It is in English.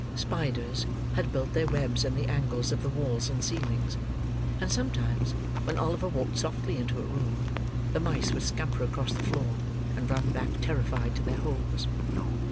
Spiders had built their webs in the angles of the walls and ceilings; and sometimes, when Oliver walked softly into a room, the mice would scamper across the floor, and run back terrified to their holes.